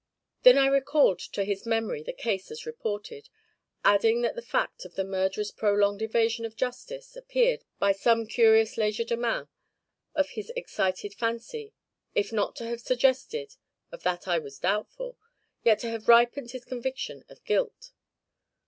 Then I recalled to his memory the case as reported, adding that the fact of the murderer's prolonged evasion of justice, appeared, by some curious legerdemain of his excited fancy, if not to have suggested of that I was doubtful yet to have ripened his conviction of guilt.